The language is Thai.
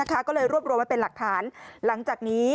ก็เลยรวบรวมมาเป็นหลักฐาน